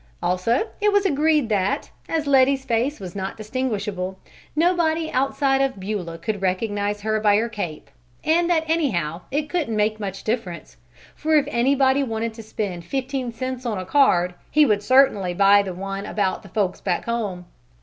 Also it was agreed that, as Letty's face was not distinguishable, nobody outside of Beulah could recognize her by her cape; and that anyhow it couldn't make much difference, for if anybody wanted to spend fifteen cents on a card he would certainly buy the one about "the folks back home."